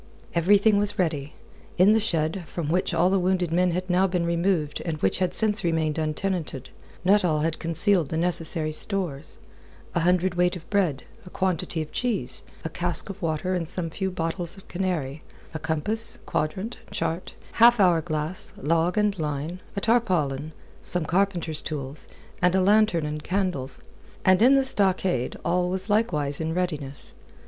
Everything was ready. In the shed, from which all the wounded men had now been removed and which had since remained untenanted, Nuttall had concealed the necessary stores: a hundredweight of bread, a quantity of cheese, a cask of water and some few bottles of Canary, a compass, quadrant, chart, half hour glass, log and line, a tarpaulin, some carpenter's tools, and a lantern and candles. And in the stockade, all was likewise in readiness.